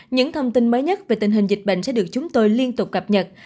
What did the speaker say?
những thông tin mới nhất về tình hình dịch bệnh sẽ được chúng tôi liên tục cập nhật